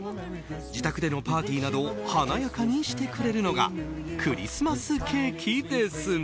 自宅でのパーティーなどを華やかにしてくれるのがクリスマスケーキですが。